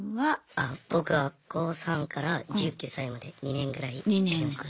あ僕は高３から１９歳まで２年ぐらいやりました。